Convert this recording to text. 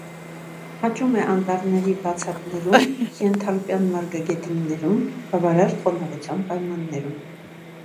Աճում է անտառների բացատներում, ենթալպյան մարգագետիններում՝ բավարար խոնավության պայմաններում։